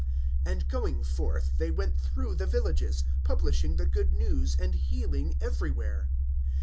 (6)And going forth, they went through the villages, publishing the good news, and healing everywhere.